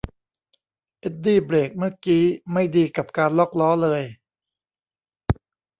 เอ็ดดี้เบรกเมื่อกี๊ไม่ดีกับการล็อคล้อเลย